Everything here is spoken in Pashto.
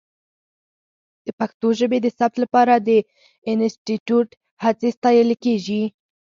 د پښتو ژبې د ثبت لپاره د انسټیټوت هڅې ستایلې کېږي.